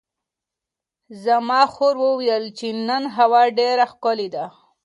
زما خور وویل چې نن هوا ډېره ښکلې ده.